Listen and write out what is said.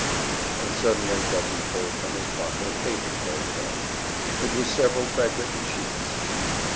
And suddenly Guffey pulled from his pocket a paper folded up. It was several typewritten sheets.